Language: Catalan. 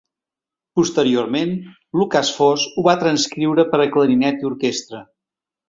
Posteriorment, Lukas Foss ho va transcriure per a clarinet i orquestra.